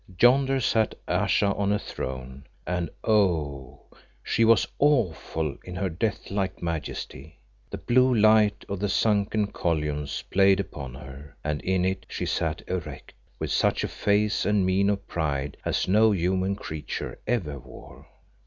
Yonder sat Ayesha on a throne, and oh! she was awful in her death like majesty. The blue light of the sunken columns played upon her, and in it she sat erect, with such a face and mien of pride as no human creature ever wore.